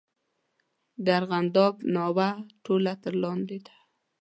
د ارغنداب ناوه ټوله تر لاندې ده.